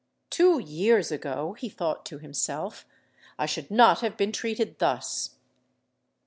"Two years ago," he thought to himself, "I should not have been treated thus!"